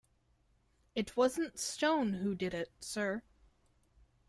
It wasn't Stone who did it, sir.